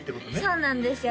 そうなんですよ